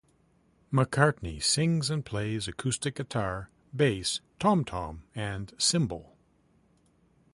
McCartney sings and plays acoustic guitar, bass, tom tom and cymbal.